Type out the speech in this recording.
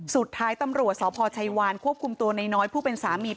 สุดท้ายตำรวจสพชัยวานควบคุมตัวน้อยผู้เป็นสามี